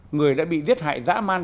người đã bị giết hại dã man